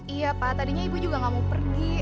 iya pak tadinya ibu juga nggak mau pergi